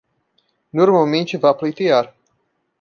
Normalmente vá pleitear